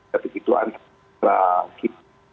tapi itu antara kita